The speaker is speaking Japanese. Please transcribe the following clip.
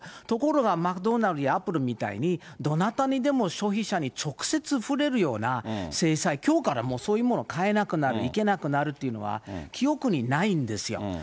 ところがマクドナルドやアップルみたいに、どなたでも消費者に直接触れるような制裁、きょうからそういうもの買えなくなる、行けなくなるっていうのは、記憶にないんですよ。